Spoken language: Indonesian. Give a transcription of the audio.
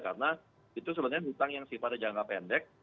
karena itu sebenarnya hutang yang sifatnya jangka pendek